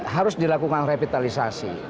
harus dilakukan revitalisasi